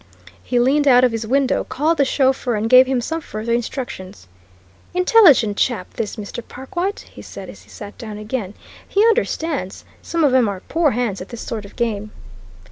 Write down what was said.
He leaned out of his window, called the chauffeur, and gave him some further instructions. "Intelligent chap, this, Mr. Perkwite," he said as he sat down again. "He understands some of 'em are poor hands at this sort of game."